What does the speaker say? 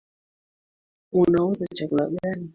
Unauza chakula gani?